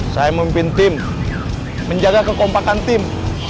saya memimpin tim menjaga kekompakan tim